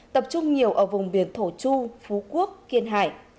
tập trung nhiều ở vùng biển thổ chu phú quốc kiên hải